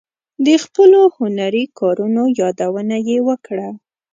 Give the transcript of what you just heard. د خپلو هنري کارونو یادونه یې وکړه.